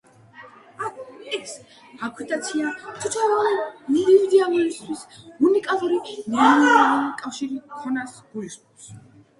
ეს აქტივაცია თოთოეული ინდივიდისთვის უნიკალური ნეირონული კავშირების ქონას გულისხმობს.